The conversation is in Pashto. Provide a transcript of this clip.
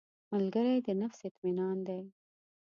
ملګری د نفس اطمینان دی